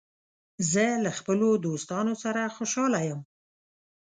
زه له خپلو دوستانو سره خوشاله یم.